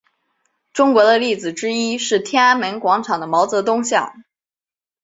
中国的例子之一是天安门广场的毛泽东像。